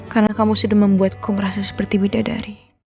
karena kamu sudah membuatku merasa seperti widadari